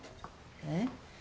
えっ？